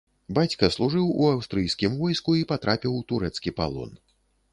Бацька служыў у аўстрыйскім войску і патрапіў у турэцкі палон.